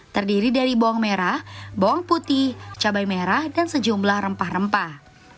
terdiri dari bawang merah bawang putih cabai merah dan sejumlah rempah rempah